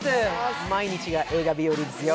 毎日が映画日和ですよ。